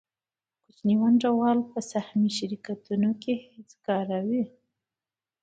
کوچني ونډه وال په سهامي شرکتونو کې هېڅکاره وي